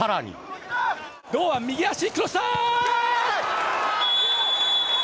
堂安右足クロスした！